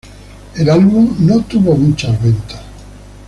El álbum no tuvo muchas ventas.